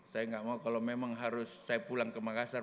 saya nggak mau kalau memang harus saya pulang ke makassar